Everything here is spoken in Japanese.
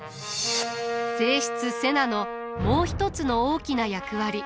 正室瀬名のもう一つの大きな役割。